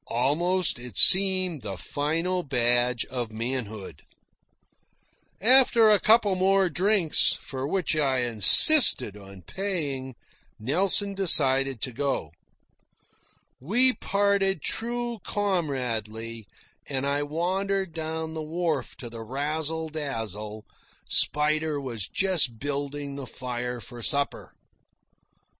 Almost it seemed the final badge of manhood. After a couple more drinks, for which I insisted on paying, Nelson decided to go. We parted true comradely, and I wandered down the wharf to the Razzle Dazzle. Spider was just building the fire for supper.